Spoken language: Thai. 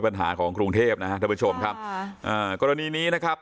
ปัญหาของกรุงเทพนะฮะท่านผู้ชมครับค่ะอ่ากรณีนี้นะครับ